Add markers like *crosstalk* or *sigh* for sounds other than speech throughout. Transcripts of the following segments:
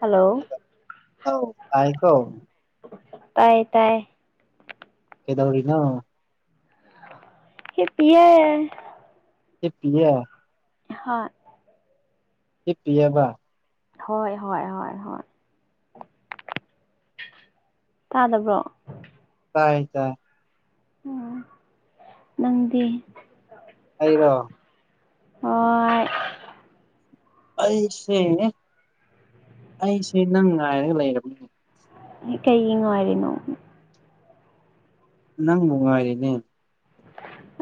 hello ꯑꯧ ꯇꯥꯏꯀ‌‌ꯣ ꯇꯥꯏꯌꯦ ꯇꯥꯏꯌꯦ ꯀꯦꯗꯧꯔꯤꯅꯣ ꯍꯤꯞꯄꯤꯌꯦ ꯍꯤꯞꯄꯤꯌꯦ *unintelligible* ꯍꯤꯞꯄꯤꯑꯕ ꯍꯣꯏ ꯍꯣꯏ ꯍꯣꯏ ꯍꯣꯏ ꯇꯥꯗꯕ꯭ꯔꯣ ꯇꯥꯏ ꯇꯥꯏ ꯎꯝ ꯅꯪꯗꯤ ꯑꯩꯔꯣ ꯍ‌ꯣꯏ ꯑꯩꯁꯦꯡꯉ‌ꯦ ꯑꯩꯁꯦ ꯅꯪ ꯉꯥꯏꯔꯒ ꯂꯩꯔꯕꯅꯤꯅꯦ ꯀꯩꯒꯤ ꯉꯥꯏꯔꯤꯅꯣ ꯅꯪꯕꯨ ꯉꯥꯏꯔꯤꯅꯦ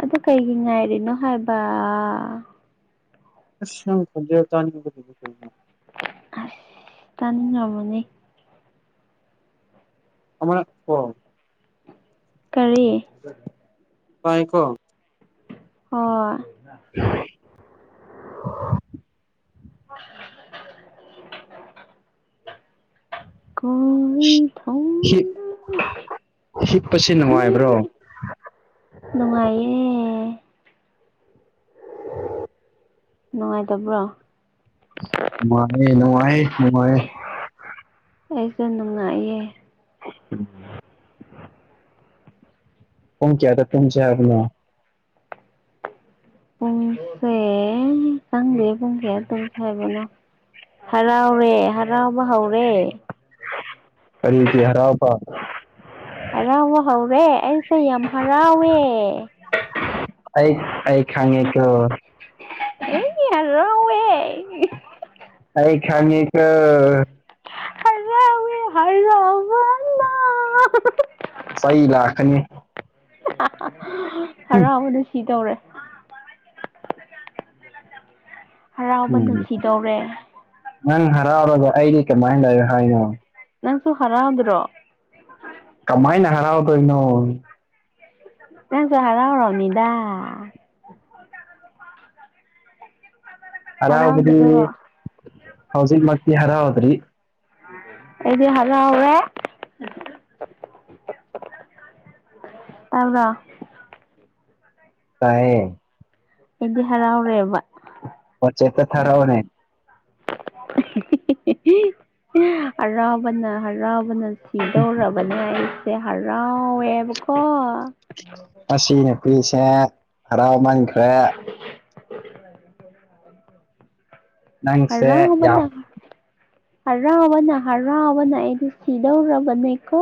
ꯑꯗꯨ ꯀꯩꯒꯤ ꯉꯥꯏꯔꯤꯅꯣ ꯍꯥꯏꯕ ꯑꯁꯤꯡ *unintelligible* ꯈ‌ꯣꯡꯖ‌ꯦꯜ ꯆꯅꯤꯡꯔꯒ ꯂꯩꯕ ꯀꯩꯅ‌ꯣꯅ‌ꯦ ꯑꯁ ꯀꯅꯤꯡ ꯉꯝꯃꯅꯤ ꯑꯃ *unintelligible* ꯀꯔꯤ ꯇꯥꯏ ꯀꯣ ꯍ‌ꯣꯏ *inaudible* *inaudible* ꯀꯨꯡ ꯍꯤꯝ ꯍꯤꯞꯄꯁꯦ ꯅꯨꯡꯉꯥꯏꯕ꯭ꯔꯣ ꯅꯨꯡꯉꯥꯏꯌꯦ ꯅꯨꯡꯉꯥꯏꯇꯕ꯭ꯔꯣ *unintelligible* ꯅꯨꯡꯉꯥꯏꯔ‌ꯦ ꯅ‌ꯦ ꯅꯨꯡꯉꯥꯏ ꯑꯩꯁꯨ ꯅꯨꯡꯉꯥꯏꯌꯦ *unintelligible* ꯄꯨꯡ ꯀꯌꯥꯗ ꯇꯨꯡꯆꯦ ꯍꯥꯏꯕꯅꯣ ꯄꯨꯡꯁꯦ ꯈꯪꯗꯦ ꯄꯨꯡ ꯀꯌꯥ ꯇꯨꯝ ꯆꯦ ꯍꯥꯏꯕꯅꯣ ꯍꯔꯥꯎꯔꯦ ꯍꯔꯥꯎꯕ ꯍꯧꯔꯦ ꯀꯔꯤꯀꯤ ꯍꯔꯥꯎꯄꯥ ꯍꯔꯥꯎꯕ ꯍꯧꯔꯦ ꯑꯩꯁꯦ ꯌꯥꯝ ꯍꯔꯥꯎꯋꯦ ꯑꯩ ꯑꯩ ꯈꯪꯉꯦ ꯀꯣ *unintelligible* ꯑꯩ ꯈꯪꯉꯤꯀꯣ ꯍꯥꯔꯥꯎꯋꯦ ꯍꯥꯔꯥꯎꯕꯅ ꯆꯩ ꯂꯥꯛꯀꯅꯤ ꯎꯝ ꯍꯔꯥꯎ ꯋꯥꯅ ꯁꯤ ꯗꯧꯔꯦ ꯍꯔꯥꯎꯕ ꯎꯝ ꯅ ꯁꯤꯗꯧꯔꯦ ꯅꯪ ꯍꯔꯥꯎꯔꯒ ꯑꯩꯗꯤ ꯀꯃꯥꯏꯅ ꯂꯩ ꯍꯥꯏꯅꯣ ꯅꯪꯁꯨ ꯍꯔꯥꯎꯗ꯭ꯔꯣ ꯀꯃꯥꯏꯅ ꯍꯔꯥꯎꯗꯣꯏꯅꯣ ꯅꯪꯁꯨ ꯍꯔꯥꯎꯔꯧꯅꯤꯗꯥ ꯍꯔꯥꯎꯕꯗꯤ ꯍꯔꯥꯎꯗ꯭ꯔꯣ ꯍꯧꯖꯤꯛ ꯃꯛꯇꯤ ꯍꫪꯥꯎꯗ꯭ꯔꯤ ꯑꯩꯗꯤ ꯍꫪꯥꯎꯔꯦ ꯇꯥꯕꯔ꯭ꯑꯣ ꯇꯥꯏꯌꯦ ꯗꯤ ꯍꯔꯥꯎꯔꯦꯕ ꯋꯥꯆꯦꯞꯇ ꯊꯥꯔꯛꯑꯣꯅꯦ ꯑꯔꯥꯎꯕꯅ ꯍꯔꯥꯎꯕꯅ ꯁꯤꯗꯧꯔꯕꯅꯦ ꯑꯩꯁꯦ ꯍꯔꯥꯎꯋꯦꯕꯀꯣ ꯑꯁꯤ ꯅꯨꯄꯤꯁꯦ ꯍꯔꯥꯎꯃꯟꯈ꯭ꯔꯦ ꯅꯪꯁꯦ ꯍꫪꯥꯎꯕꯅ ꯌꯥꯝ ꯍꯔꯥꯎꯕꯅ-ꯍꯔꯥꯎꯕꯅ ꯑꯩꯗꯤ ꯁꯤꯗꯧꯔꯕꯅꯦꯀꯣ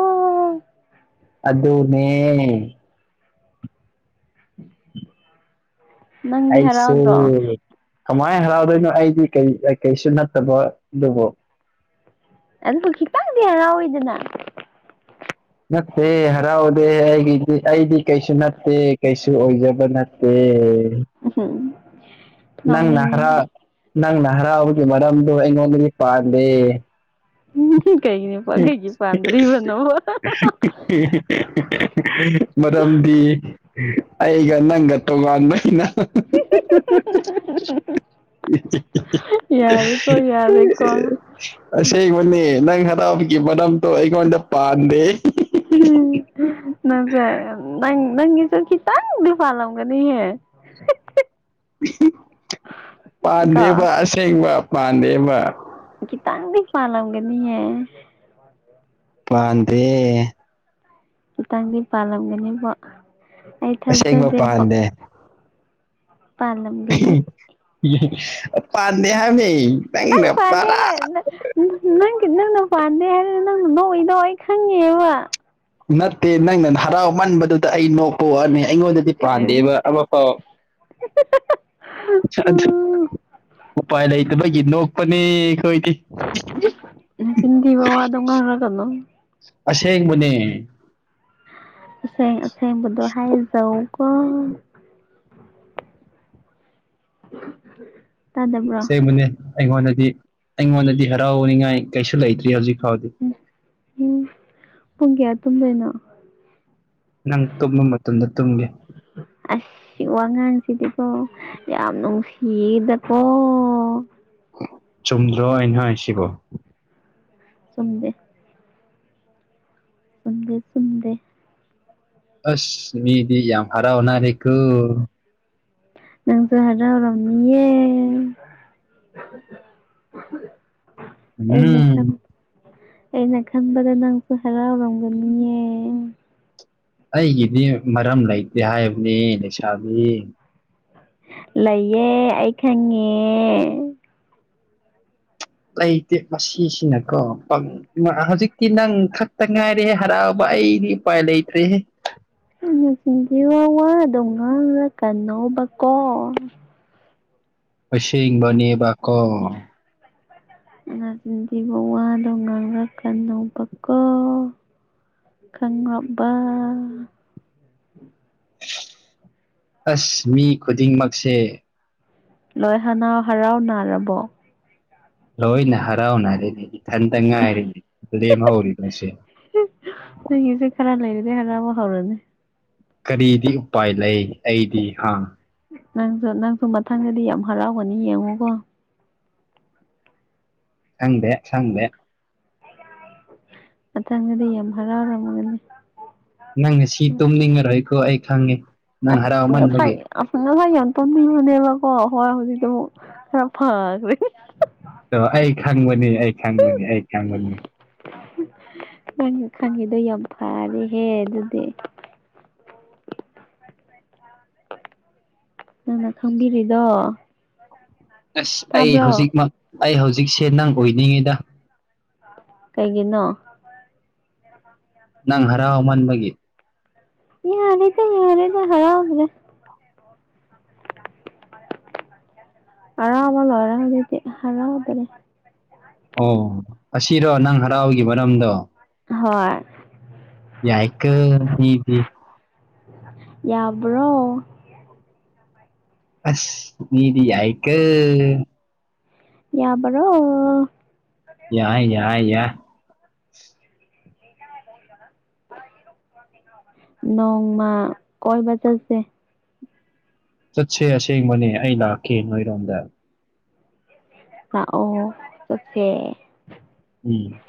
ꯑꯗꯨꯅꯦ- ꯅꯪꯗꯤ ꯑꯩꯁꯦ ꯍꯔꯥꯎꯗ꯭ꯔꯣ ꯀꯃꯥꯏ ꯍꯔꯥꯎꯗꯣꯏꯅꯣ ꯑꯩꯗꯤ ꯀꯩ-ꯀꯩꯁꯨ ꯅꯠꯇꯕ ꯑꯗꯨꯕꯨ ꯑꯗꯨꯕꯨ ꯈꯤꯇꯪꯗꯤ ꯍꯔꯥꯎꯋꯤꯗꯅ- ꯅꯠꯇꯦ ꯍꯔꯥꯎꯗꯦ ꯑꯩꯒꯤꯗꯤ ꯑꯩꯗꯤ ꯀꯩꯁꯨ ꯅꯠꯇꯦ ꯀꯩꯁꯨ ꯑꯣꯏꯖ ꯕ ꯅꯠꯇꯦ ꯎꯝ ꯍꯨꯝ ꯅꯪꯅ ꯍꯔꯥ ꯅꯪꯅ ꯍꯔꯥꯎꯕꯒꯤ ꯃꯔꯝꯗꯣ ꯑꯩꯉꯣꯟꯗꯗꯤ ꯄꯥꯟꯗꯦ ꯎꯝ ꯀꯩꯒꯤꯅꯣꯄ ꯀꯩꯒꯤ ꯄꯥꯟꯗ꯭ꯔꯤꯕꯅꯣꯕ ꯃꯔꯝꯗꯤ ꯑꯩꯒ ꯅꯪꯒ ꯇꯣꯉꯥꯟꯕꯩ ꯅ *inaudible* ꯌꯥꯔꯦꯀꯣ ꯌꯥꯔꯦꯀꯣ *inaudible* ꯑꯁꯦꯡꯃꯅꯦ ꯅꯪ ꯍꯔꯥꯎꯕꯒꯤ ꯃꯔꯝꯗꯣ ꯑꯩꯉꯣꯟꯗ ꯄꯥꯟꯗꯦ ꯎꯝ ꯅꯪꯁꯦ ꯅꯪ- ꯅꯪꯒꯤꯁꯨ ꯈꯤꯠ ꯇꯪ--ꯗꯤ ꯐꯥꯜꯂꯝꯒꯅꯤꯍꯦ ꯀꯣ ꯄꯥꯟꯗꯦꯕꯥ ꯑꯁꯦꯡꯕ ꯄꯥꯟꯗꯦꯕꯥ ꯈꯤꯇꯪꯗꯤ ꯄꯥꯜꯂꯝꯒꯅꯤꯌꯦ ꯄꯥꯟꯗꯦ ꯈꯤꯇꯥꯡꯗꯤ ꯄꯥꯜꯂꯝꯒꯅꯤꯕꯣ ꯑꯩ ꯑꯁꯦꯡꯕ ꯊꯥꯖꯗꯦꯕꯣ ꯄꯥꯟꯗꯦ ꯄꯥꯥꯟꯂꯝ *unintelligible* ꯄꯥꯟꯗꯦ ꯍꯥꯏꯝꯃꯦ ꯅꯪ ꯅꯪꯅ ꯄꯥꯗꯦ ꯄꯔꯥ ꯅꯪꯒꯤ ꯅꯪꯅ ꯄꯥꯟꯗꯦ ꯍꯥꯏꯔ ꯅꯪꯅ ꯅꯣꯛꯏꯗꯣ ꯑꯩ ꯈꯪꯉꯦꯕ ꯅꯠꯇꯦ ꯅꯪꯅꯟ ꯍꯔꯥꯎ ꯃꯟꯕꯗꯨꯗꯥ ꯑꯩ ꯅꯣꯛ ꯄꯣꯋꯥꯅꯦ ꯑꯩꯉꯣꯟꯗꯗꯤ ꯄꯥꯟꯗꯦꯕ ꯑꯃꯐꯥꯎ *unintelligible* ꯎꯝ *unintelligible* ꯎꯄꯥꯏ ꯂꯩꯇꯕꯒꯤ ꯅꯣꯛꯄꯅꯦ ꯑꯈꯣꯏꯗꯤ ꯅꯆꯤꯟ ꯊꯤꯕ ꯋꯥꯗꯣ ꯉꯥꯡꯔꯛꯀꯅꯣ ꯑꯁꯦꯡꯕꯅꯦ ꯑꯁꯦꯡ ꯑꯁꯦꯡꯕꯗꯣ ꯍꯥꯏꯖꯧ ꯀꯣ ꯇꯥꯗꯕ꯭ꯔꯣ ꯆꯩꯝꯃꯤꯅꯦ ꯑꯩꯉꯣꯟꯗꯗꯤ ꯑꯩꯉꯣꯟꯗꯗꯤ ꯍꯔꯥꯎꯅꯤꯡꯉꯥꯏ ꯀꯩꯁꯨ ꯂꯩꯇ꯭ꯔꯤ ꯍꯧꯖꯤꯛ ꯐꯥꯎꯗꯤ ꯎꯝ ꯄꯨꯡ ꯀꯌꯥ ꯇꯨꯝꯗꯣꯏꯅꯣ ꯅꯪ ꯇꯨꯝꯃ ꯃꯇꯝꯗ ꯇꯨꯝꯉꯦ ꯑꯁ ꯋꯥꯉꯥꯡꯁꯤꯗꯤꯀꯣ ꯌꯥꯝ ꯅꯨꯡꯁꯤꯌꯦꯗꯀꯣ ꯆꯨꯝꯗ꯭ꯔꯣ ꯑꯩꯟ ꯉꯥꯏꯁꯤꯕꯣ ꯆꯨꯝꯗꯦ ꯆꯨꯝꯗꯦ ꯆꯨꯝꯗꯦ ꯑꯁ ꯃꯤꯗꯤ ꯌꯥꯝ ꯍꯔꯥꯎꯅꯥꯔꯦꯀꯣ ꯅꯪ *unintelligible* ꯑꯩꯅ ꯎꯝ ꯈꯟ ꯑꯩꯅ ꯈꯟꯕꯗ ꯅꯪꯁꯨ ꯍꯔꯥꯎꯔꯝꯒꯅꯤꯌꯦ ꯑꯩꯒꯤꯗꯤ ꯃꯔꯝ ꯂꯩꯇꯦ ꯍꯥꯏꯕꯅꯦ ꯂꯩꯁꯥꯕꯤ ꯂꯩꯌꯦ ꯑꯩ ꯈꯪꯉꯦ ꯂꯩꯇꯦ ꯃꯁꯤꯁꯤꯅꯀꯣ ꯄꯪ ꯃꯑ ꯍꯧꯖꯤꯛꯇꯤ ꯅꯪ ꯈꯛꯇ ꯉꯥꯏꯔꯦꯍꯦ ꯍꯔꯥꯎꯕ ꯑꯩꯗꯤ ꯎꯄꯥꯏ ꯂꯩꯇ꯭ꯔꯦꯍꯦ ꯍꯥꯟꯅ ꯆꯤꯟꯖꯦ ꯋꯥ ꯋꯥꯗꯣ ꯉꯥꯡꯂꯛ ꯀꯅꫭꯕꯀꯣ ꯑꯁꯦꯡꯕꯅꯦꯕ ꯀꯣ *unintelligible* ꯅꯆꯤꯟ ꯊꯤꯕ ꯋꯥꯗꯣ ꯉꯥꯡꯔꯛꯀꯅꫭꯕꯀꫭ ꯈꯪꯔꯞꯕ ꯑꯁ ꯃꯤ ꯈꯨꯗꯤꯡꯃꯛꯁꯦ ꯂꯣꯏ ꯍꯅꯥꯎ ꯍꯔꯥꯎ ꯅꯥꯔꯕꯣ ꯂꯣꯏꯅ ꯍꯔꯥꯎꯅꯥꯔꯦꯅꯦ ꯏꯊꯟꯇ ꯉꯥꯏꯔꯦꯅꯦ ꯂꯦꯝꯍꯧꯔꯤꯕꯁꯦ *unintelligible* ꯅꯒꯤꯁꯦ ꯈꯔ ꯂꯩꯔꯗꯤ ꯍꯔꯥꯎꯕ ꯍꯧꯔꯅꯤ ꯀꯔꯤꯗꯤ ꯎꯄꯥꯏ ꯂꯩ ꯑꯩꯗꯤ ꯍ ꯅꯪꯁꯨ ꯅꯪꯁꯨ ꯃꯊꯪꯗꯗꯤ ꯌꯥꯝ ꯍꯔꯥꯎꯒꯅꯤ ꯌꯦꯡꯉꯨꯀꯣ ꯈꯪꯗꯦ ꯁꯪꯗꯦ ꯃꯊꯪꯒꯗꯤ ꯌꯥꯝ ꯍꯔꯥꯎꯔꯝꯒꯅꯤ ꯅꯪ ꯉꯁꯤ ꯇꯨꯝꯅꯤꯡꯉꯔꯣꯏꯀꯣ ꯑꯩ ꯈꯪꯉꯤ ꯅꯪ *unintelligible* ꯍꯔꯥꯎꯃꯟꯕꯒꯤ ꯑꯁ ꯉꯍꯥꯟ ꯌꯥꯝ ꯇꯨꯝꯅꯤꯡꯕꯅꯦꯕꯀꫭ ꯍꫭ ꯍꯧꯖꯤꯛꯇꯤ ꯑꯃꯨꯛ ꯈꯔ ꯐꯔꯦ ꯇꯣ ꯑꯩ ꯈꯪꯕꯅꯤ ꯑꯩ ꯈꯪꯕꯅꯤ ꯑꯩ ꯈꯪꯕꯅꯤ ꯅꯪꯒꯤ ꯈꯪꯉꯤꯗꯣ ꯌꯥꯝ ꯐꯔꯦꯍꯦ ꯑꯗꯨꯗꯤ ꯅꯪꯅ ꯈꯪꯕꯤꯔꯤꯗꯣ ꯑꯁ ꯑꯩ ꯇꯥꯕ꯭ꯔꯣ ꯍꯧꯖꯤꯛꯃꯛ ꯑꯩ ꯍꯧꯖꯤꯛꯁꯦ ꯅꯪ ꯑꯣꯏꯅꯤꯡꯉꯤꯗ ꯀꯩꯒꯤꯅꯣ ꯅꯪ ꯍꯔꯥꯎꯃꯥꯟꯕꯒꯤ ꯌꯥꯔꯦꯗ ꯌꯥꯔꯦꯗ ꯍꯔꯥꯎꯗ꯭ꯔꯦ ꯍꯔꯥꯎꯕ ꯂꯣꯏꯔꯦ ꯍꯧꯖꯤꯛꯇꯤ ꯍꯔꯥꯎꯗꯔꯦ ꯑꯣ ꯑꯁꯤꯔꯣ ꯅꯪ ꯍꯔꯥꯎꯕꯒꯤ ꯃꯔꯝꯗꯣ ꯍꯣꯏ ꯌꯥꯏꯀꯣ ꯃꯤꯗꯤ ꯌꯥꯕ꯭ꯔꯣ ꯑꯁ ꯃꯤꯗꯤ ꯌꯥꯏꯀꯣ ꯌꯥꯕꯔꯣ ꯌꯥꯏ ꯌꯥꯏ ꯌꯥ ꯅꯣꯡꯃ ꯀꯣꯏꯕ ꯆꯠꯁꯦ ꯆꯠꯁꯦ ꯑꯁꯦꯡꯕꯅꯦ ꯑꯩ ꯂꯥꯛꯀꯦ ꯅꯣꯏꯔꯣꯝꯗ ꯂꯛꯑꯣ ꯆꯠꯁꯦ ꯎꯝ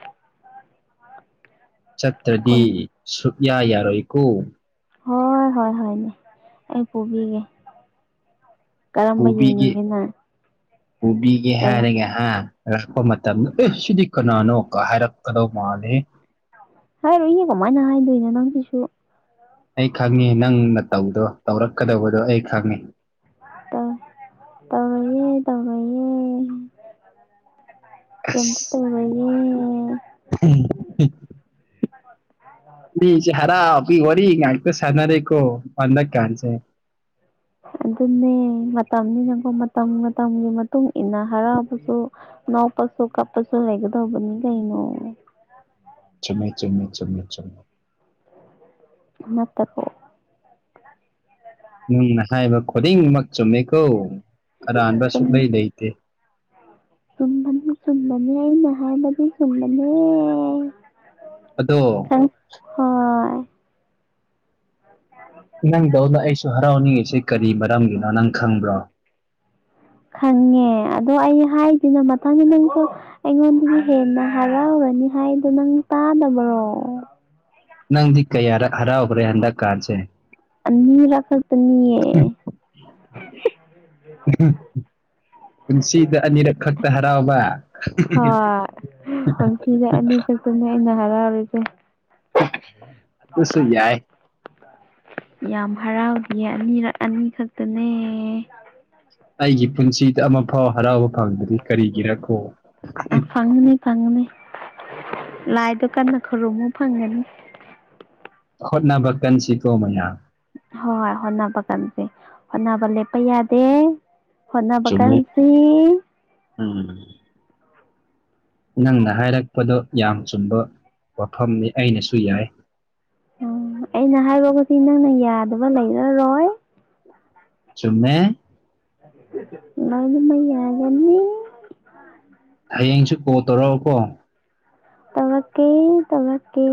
ꯆꯠꯇ꯭ꯔꯗꯤ ꯀꯣꯏ ꯁꯨꯛꯌꯥ ꯌꯥꯔꯣꯏꯀꯣ ꯍꯣꯏ ꯍꯣꯏ ꯍꯣꯏꯅꯦ ꯑꯩ ꯄꯨꯕꯤꯒꯦ ꯀꯔꯝꯕ ꯄꯨꯕꯤꯒꯦ ꯌꯦꯡꯅꯤꯡꯒꯦ ꯅꯪ ꯄꯨꯕꯤꯒꯦ ꯀꯩ ꯍꯥꯏꯔꯒ ꯑ ꯂꯛꯄ ꯃꯇꯝꯗ ꯑꯥ ꯁꯤꯗꯤ ꯀꯅꯥꯅꯣ ꯀꯥꯏ ꯍꯥꯏꯔꯛ ꯀꯗꯧ ꯃꯥꯜꯂꯦꯍꯦ ꯍꯥꯏꯔꯣꯏꯍꯦ ꯀꯃꯥꯏꯅ ꯍꯥꯏꯗꯣꯏꯅꯣ ꯅꯪꯁꯤꯁꯨ ꯑꯩ ꯈꯪꯉꯦ ꯅꯪ ꯅꯇꯧꯗꯣ ꯇꯧꯔꯛꯀꯗꯧꯕꯗꯣ ꯑꯩ ꯈꯪꯉꯦ ꯇꯧ ꯇꯧꯔꯣꯏꯌꯦ ꯇꯧꯔꯣꯏꯌꯦ ꯀꯩꯝꯇ ꯑꯁ ꯇꯧꯔꯣꯏꯌꯦ ꯃꯤꯖꯦ ꯍꯔꯥꯎꯕꯒꯤ ꯋꯥꯔꯤ ꯉꯥꯛꯇ ꯁꯥꯟꯅꯔꯦꯀꯣ ꯍꯟꯗꯛꯀꯥꯟꯁꯦ ꯑꯗꯨꯅꯦ ꯃꯇꯝꯅꯤꯅꯀꯣ ꯃꯇꯝ-ꯃꯇꯝꯒꯤ ꯃꯇꯨꯡ ꯏꯟꯅ ꯍꯔꯥꯎꯕꯖꯨ ꯅꯣꯛꯄꯁꯨ ꯀꯄꯄꯁꯨ ꯂꯩꯒꯗꯧꯕꯅꯤ ꯀꯩꯅꯣ ꯆꯨꯝꯃꯦ ꯆꯨꯝꯃꯦ-ꯆꯨꯝꯃꯦ ꯆꯨꯝꯃꯦ ꯅꯠꯇꯄꯣ ꯅꯪꯅ ꯍꯥꯏꯕ ꯈꯨꯗꯤꯡꯃꯛ ꯆꯨꯝꯃꯦꯀꯣ ꯑꯔꯥꯟꯕ ꯆꯨꯝ ꯁꯨꯛꯂꯩ ꯂꯩꯇꯦ ꯆꯨꯝꯕꯅꯤ ꯆꯨꯝꯕꯅꯤ ꯑꯩꯅ ꯍꯥꯏꯕꯗꯤ ꯆꯨꯝꯕꯅꯦ ꯑꯗꯣ ꯈꯪ ꯍꯣꯏ ꯅꯪꯗꯧꯅ ꯑꯩꯁꯨ ꯍꯔꯥꯎꯅꯤꯡꯉꯤꯁꯦ ꯀꯔꯤ ꯃꯔꯝꯒꯤꯅꯣ ꯅꯪ ꯈꯪꯕ꯭ꯔꯣ ꯈꯪꯉꯦ ꯑꯗꯣ ꯑꯩ ꯍꯥꯏꯗꯦꯅ ꯃꯊꯟꯗ ꯅꯪꯁꯨ ꯑꯩꯉꯣꯟꯗꯒꯤ ꯍꯦꯟꯅ ꯍꯔꯥꯎꯔꯅꯤ ꯍꯥꯏꯗꯣ ꯅꯪ ꯇꯥꯗꯕ꯭ꯔꯣ ꯅꯪꯗꯤ ꯀꯌꯥꯔꯛ ꯍꯔꯥꯎꯒ꯭ꯔꯦ ꯍꯟꯗꯛꯀꯥꯟꯁꯦ ꯑꯅꯤꯔꯛ ꯈꯛꯇꯅꯦ *inaudible* ꯄꯨꯟꯁꯤꯗ ꯑꯅꯤꯔꯛ ꯈꯛꯇ ꯍꯔꯥꯎꯕ ꯍꯣꯏ ꯄꯨꯟꯁꯤꯗ ꯑꯅꯤ ꯈꯛꯇꯅꯦ ꯑꯩꯅ ꯍꯔꯥꯎꯔꯤꯁꯦ ꯑꯗꯨꯁꯨ ꯌꯥꯏ ꯌꯥꯝ ꯍꯔꯥꯎꯈꯤꯌꯦ ꯑꯅꯤꯔꯛ ꯑꯅꯤ ꯈꯛꯇꯅꯦ ꯑꯩꯒꯤ ꯄꯨꯟꯁꯤꯗ ꯑꯃꯐꯥꯎ ꯍꯔꯥꯎꯕ ꯐꯪꯗꯔꯤ ꯀꯔꯤꯒꯤꯔꯀꯣ ꯐꯪꯅꯤ ꯂꯥꯏꯗꯣ ꯀꯟꯅ ꯈꯨꯔꯨꯝꯃꯨ ꯐꯪꯒꯅꯤ ꯍꯣꯠꯅꯕ ꯀꯟꯁꯤꯀꯣ ꯃꯌꯥꯝ ꯍꯣꯏ ꯍꯣꯠꯅꯕ ꯀꯟꯖꯦ ꯍꯣꯠꯅꯕ ꯂꯦꯞꯄ ꯌꯥꯗꯦ ꯍꯣꯠꯅꯕ ꯆꯨꯝꯃꯤ ꯀꯟꯁꯤ ꯎꯝ ꯅꯪꯅ ꯍꯥꯏꯔꯛꯄꯗꯣ ꯌꯥꯝ ꯆꯨꯝꯕ ꯋꯥꯐꯝꯅꯤ ꯑꯩꯅꯁꯨ ꯌꯥꯏ ꯎꯝ ꯑꯩꯅ ꯍꯥꯏꯕꯈꯨꯗꯤꯡ ꯅꯪꯅ ꯌꯥꯗꯕ ꯂꯩꯔꯔꯣꯏ ꯆꯨꯝꯃꯦ ꯂꯣꯏꯅꯃꯛ ꯌꯥꯒꯅꯤ ꯍꯌꯦꯡꯁꯨ ꯀꯣꯜ ꯇꯧꯔꯛꯑꯣꯀꯣ ꯇꯧꯔꯛꯀꯦ-ꯇꯧꯔꯛꯀꯦ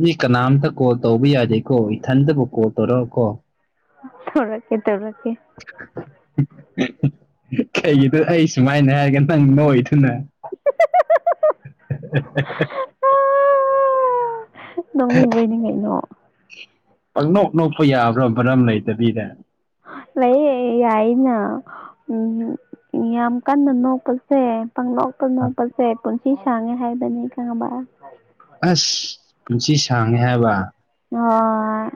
ꯃꯤ ꯀꯅꯥꯝꯇ ꯀꯣꯜ ꯇꯧꯕ ꯌꯥꯗꯦꯀꯣ ꯏꯊꯟꯗꯕꯨ ꯀꯣꯜ ꯇꯧꯔꯛꯑꯣꯀꯣ ꯊꯧꯔꯛꯀꯦ-ꯇꯧꯔꯛꯀꯦ *unintelligible* ꯈꯩꯒꯤꯅꯣ ꯑꯩ ꯁꯨꯃꯥꯏꯅ ꯍꯥꯏꯔꯒ ꯅꯪ ꯅꯣꯛꯏꯗꯨꯅ *unintelligible* *unintelligible* ꯅꯣꯛꯅꯤꯡꯕꯩꯅꯤꯀꯩꯅꯣ ꯄꯪꯅꯣꯛ-ꯅꯣꯛꯄ ꯌꯥꯕ꯭ꯔꯣ ꯃꯔꯝ ꯂꯩꯇꯕꯤꯗ ꯂꯩꯌꯦ ꯌꯥꯏꯅ ꯎꯝ ꯌꯥꯝ ꯀꯟꯅ ꯅꯣꯛꯄꯁꯦ ꯄꯪꯅꯣꯛ ꯀꯅꯣꯛꯄꯁꯦ ꯄꯨꯟꯁꯤ ꯁꯥꯡꯉꯦ ꯍꯥꯏꯕꯅꯤ ꯈꯪꯉꯕ ꯑꯁ ꯄꯨꯟꯁꯤ ꯁꯥꯡꯉꯦ ꯍꯥꯏꯕ ꯑꯣꯏ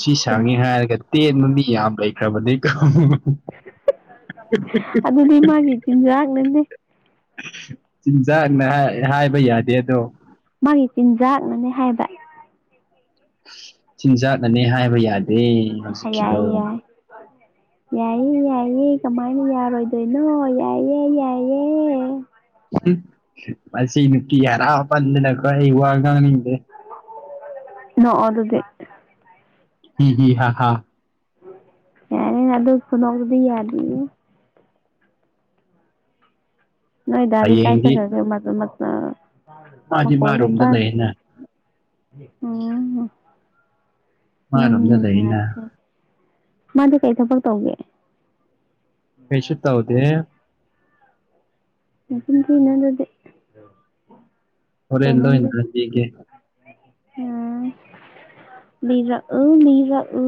ꯁꯤ ꯁꯥꯡꯉꯦ ꯍꯥꯏꯔꯒ ꯇꯦꯟꯕ ꯃꯤ ꯌꯥꯝ ꯂꯩꯈ꯭ꯔꯕꯅꯤꯀꯣ *unintelligible* *unintelligible* ꯑꯗꯨꯗꯤ ꯃꯥꯒꯤ ꯆꯤꯟꯖꯥꯛꯅꯅꯦ *unintelligible* ꯆꯤꯟꯖꯥꯛꯅ ꯍꯥꯏ-ꯍꯥꯏꯕ ꯌꯥꯗꯦ ꯑꯗꯣ ꯃꯥꯒꯤ ꯆꯤꯟꯖꯥꯛꯅꯅꯦ ꯍꯥꯏꯕ ꯆꯤꯟꯖꯥꯛꯅꯅꯦ ꯍꯥꯏꯕ ꯌꯥꯗꯦ ꯍꯧꯖꯤꯛꯀꯤꯗꯣ ꯌꯥꯏ-ꯌꯥꯏ ꯌꯥꯏꯌꯦ-ꯌꯥꯏꯌꯦ ꯀꯃꯥꯏꯅ ꯌꯥꯔꯣꯏꯗꯣꯏꯅꯣ ꯌꯥꯏꯌꯦ-ꯌꯥꯏꯌꯦ *unintelligible* ꯃꯁꯤ ꯅꯨꯄꯤ ꯍꯔꯥꯎꯄꯟꯗꯅꯀꯣ ꯑꯩ ꯋꯥ ꯉꯥꯡꯅꯤꯡꯗꯦ ꯅꯣꯛꯑꯣ ꯑꯗꯨꯗꯤ *unintelligible* *unintelligible* ꯑꯗꯨꯏ ꯈꯨꯅꯣꯛꯇꯨꯗꯤ ꯌꯥꯗꯤꯌꯦ ꯅꯣꯏ ꯗꯥꯗꯤ ꯀꯥꯏ ꯍꯌꯦꯡꯗꯤ ꯆꯠꯈꯔꯒꯦ *unintelligible* ꯃꯥꯗꯤ ꯃꯈꯣꯜꯁꯨ ꯃꯥꯔꯣꯝꯗ ꯇꯥꯗꯦ ꯂꯩꯅ ꯑꯝ ꯅꯪꯅꯤꯅ ꯃꯥꯔꯣꯝꯗ ꯂꯩꯅ ꯅꯨꯡꯉꯥꯏꯔꯤꯁꯦ ꯃꯥꯗꯤ ꯀꯔꯤ ꯊꯕꯛ ꯇꯧꯒꯦ ꯀꯩꯁꯨ ꯇꯧꯗꯦ ꯅꯆꯤꯟ ꯊꯤꯅꯨ ꯑꯗꯨꯗꯤ ꯍꯣꯔꯦꯟ ꯂꯣꯏꯅ ꯍꯥꯏꯕꯤꯒꯦ ꯎꯝ ꯂꯤꯔꯛ ꯎ ꯂꯤꯔꯛ ꯎ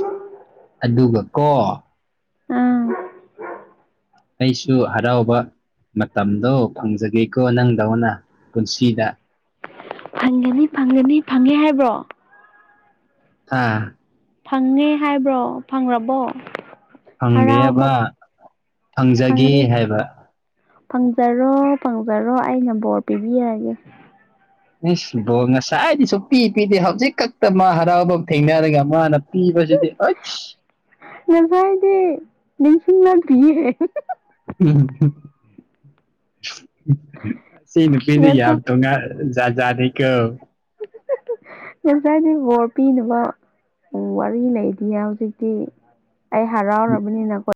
ꯎꯝ ꯑꯗꯨꯒ ꯀꯣ ꯎꯝ ꯑꯩꯁꯨ ꯍꯔꯥꯎꯕ ꯃꯇꯝꯗꯣ ꯐꯪꯖꯒꯦꯀꯣ ꯅꯪꯗꯧꯅ ꯄꯨꯟꯁꯤꯗ ꯐꯪꯒꯅꯤ ꯐꯪꯒꯅꯤ ꯐꯪꯉꯦ ꯍꯥꯏꯕ꯭ꯔꯣ ꯍꯥꯥ ꯐꯪꯉꯦ ꯍꯥꯏꯕ꯭ꯔꯣ ꯐꯪꯉꯥꯕꯣ ꯐꯪꯗꯦꯕ ꯐꯪꯖꯒꯦ ꯐꯪꯒꯅꯤ ꯍꯥꯏꯕ ꯐꯪꯖꯔꯣ ꯐꯪꯖꯔꯣ ꯑꯩꯅ ꯕꯣꯔ ꯄꯤꯕꯤꯔꯒꯦ ꯏꯁ ꯕꯣꯔ ꯉꯁꯥꯏꯗꯩꯁꯨ ꯄꯤꯗꯦ ꯍꯧꯖꯤꯛ ꯈꯛꯇ ꯃꯥ ꯍꯔꯥꯎꯕꯥꯎꯕ ꯊꯦꯡꯅꯔꯒ ꯃꯥꯅ ꯄꯤꯕꯁꯤꯗꯤ ꯎꯏꯁ ꯉꯁꯥꯏꯗꯤ ꯅꯤꯡꯁꯤꯡꯂꯛꯇꯤꯌꯦ ꯎꯝ ꯍꯨꯝ ꯁꯤ ꯅꯨꯄꯤꯁꯤ ꯌꯥꯝ ꯉꯁꯥꯏ ꯇꯣꯉꯥꯜ ꯖꯥꯠ ꯖꯥꯠ ꯅꯤꯀꯣ *unintelligible* ꯉꯁꯥꯏꯗꯤ ꯕꯣꯔ ꯄꯤꯅꯕ ꯋꯥꯔꯤ ꯂꯩꯇꯤꯌ‌ꯦ ꯍꯧꯖꯤꯛꯇꯤ ꯑꯩꯥ ꯍꯔꯥꯎꯔꯕꯅꯤꯅꯀꯣ